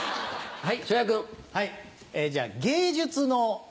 はい。